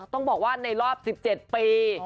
ต้องบอกว่าในรอบ๑๗ปี